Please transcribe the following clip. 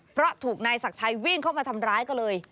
เพราะถูกนายศักดิ์ชัยวิ่งเข้ามาทำร้ายก็เลย